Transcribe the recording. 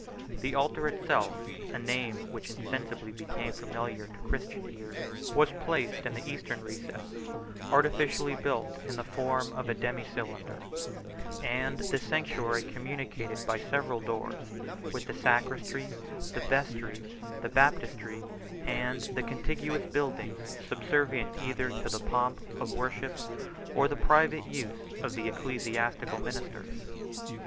The altar itself, a name which insensibly became familiar to Christian ears, was placed in the eastern recess, artificially built in the form of a demi cylinder; and this sanctuary communicated by several doors with the sacristy, the vestry, the baptistery, and the contiguous buildings, subservient either to the pomp of worship, or the private use of the ecclesiastical ministers.